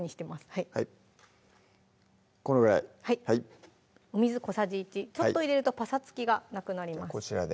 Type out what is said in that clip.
はいお水小さじ１ちょっと入れるとぱさつきがなくなります